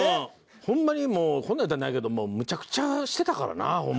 ホンマにもうこんなん言いたくないけどもむちゃくちゃしてたからなホンマ